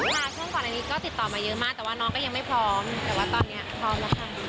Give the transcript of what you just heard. ช่วงก่อนอันนี้ก็ติดต่อมาเยอะมากแต่ว่าน้องก็ยังไม่พร้อมแต่ว่าตอนนี้พร้อมแล้วค่ะ